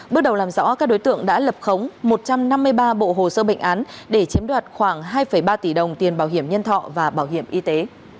bước đầu làm rõ các đối tượng đã lập khống một trăm năm mươi ba bộ hồ sơ bệnh án để chiếm đoạt khoảng hai ba tỷ đồng tiền bảo hiểm nhân thọ và bảo hiểm y tế